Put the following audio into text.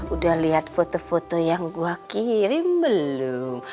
udah liat foto foto yang gua kirim belum